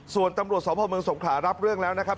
ส่วนตำรวจสมภาพเมืองสงขารับเรื่องแล้วนะครับ